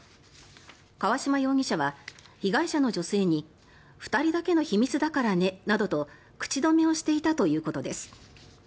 河嶌容疑者は、被害者の女性に２人だけの秘密だからねなどと口止めをしていたということです。